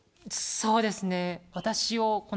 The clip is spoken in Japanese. そうです。